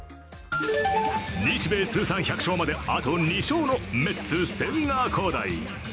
日米通算１００勝まであと２勝のメッツ・千賀滉大。